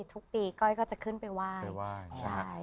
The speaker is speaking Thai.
ทุกปีก้อยก็จะขึ้นไปว่าย